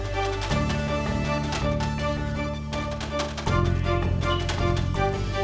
terima kasih pak